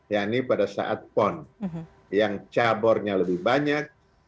ya ini pada saat pon yang caburnya lebih banyak